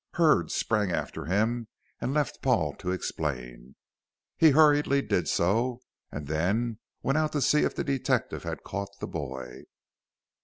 Hurd sprang after him, and left Paul to explain. He hurriedly did so, and then went out to see if the detective had caught the boy.